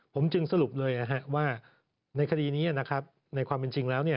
ผมจึงสรุปเลยว่าในคดีนี้ในความเป็นจริงแล้ว